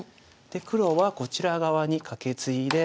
黒はこちら側にカケツイで。